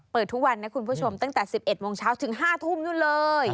เปิดทุกวันนะคุณผู้ชมตั้งแต่๑๑โมงเช้าถึง๕ทุ่มนู่นเลย